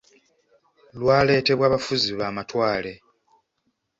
Lwaletebwa bafuzi b’Amatwale.